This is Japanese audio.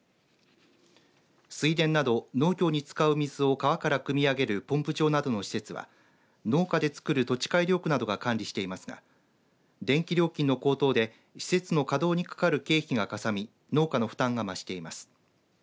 水田など農業に使う水を川から、くみ上げるポンプ場などの施設は農家でつくる土地改良区などが管理していますが電気料金の高騰で施設の稼働にかかる経費がかさみ農家の負担が増しています。